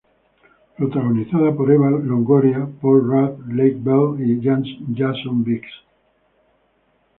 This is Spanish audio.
Protagonizada por Eva Longoria, Paul Rudd, Lake Bell y Jason Biggs.